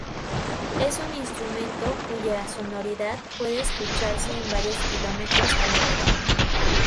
Es un instrumento cuya sonoridad puede escucharse en varios kilómetros a la redonda.